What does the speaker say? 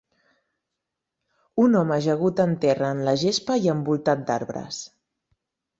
un home ajagut en terra en la gespa i envoltat d'arbres.